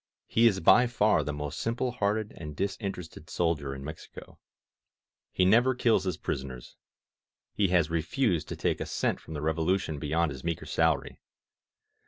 He is by far the most simple hearted and disinterested soldier in Mexico. 179 INSURGENT MEXICO He never kills his prisoners. He has refused to take a cent from the Revolution beyond his meager salary.